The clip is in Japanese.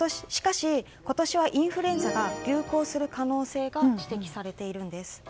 しかし、今年はインフルエンザが流行する可能性が指摘されているんです。